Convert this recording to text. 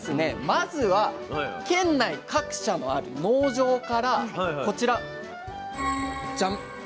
まずは県内各社にある農場からこちらジャン。